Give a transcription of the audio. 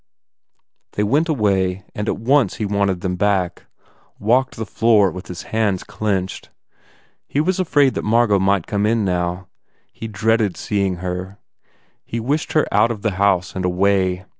They went away and at cnce he wanted them back, walked the floor 264 THE IDOLATER with his hands clenched. He was afraid that Margot might come in, now. He dreaded seeing her. He wished her out of the house and away.